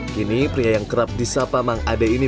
kini pria yang kerap disapa mang ade ini